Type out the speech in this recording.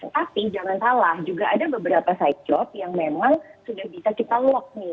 tapi jangan salah juga ada beberapa side job yang memang sudah bisa kita lock nih